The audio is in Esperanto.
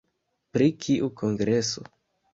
Pri kiu kongreso?